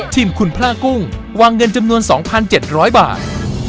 ทีมคุณพลากุ้งวางเงินจำนวน๒๗๐๐บาท